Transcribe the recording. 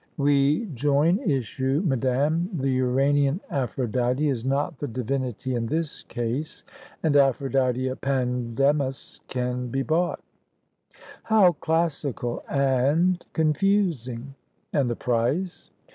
"We join issue, madame. The Uranian Aphrodite is not the divinity in this case, and Aphrodite Pandemos can be bought." "How classical and confusing! And the price?"